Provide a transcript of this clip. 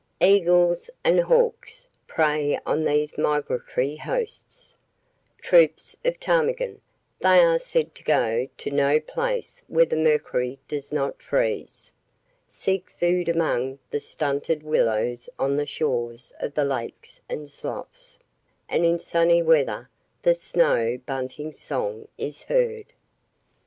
Eagles and hawks prey on these migratory hosts; troops of ptarmigan (they are said to go to no place where the mercury does not freeze) seek food among the stunted willows on the shores of the lakes and sloughs; and in sunny weather the snow bunting's song is heard.